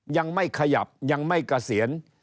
ยังไม่ขยับยังไม่กระเสียญ